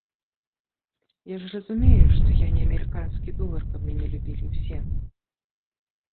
Я ж разумею, што я не амерыканскі долар, каб мяне любілі ўсе!